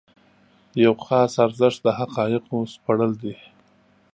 یو خاص ارزښت د حقایقو سپړل دي.